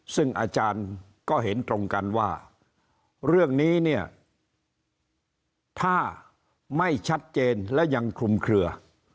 ซึ่งอาจารย์ก็เห็นตรงกันว่าเรื่องนี้เนี่ยถ้าไม่ชัดเจนและยังคลุมเคลือ